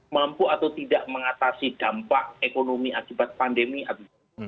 mampu atau tidak mengatasi dampak ekonomi akibat pandemi atau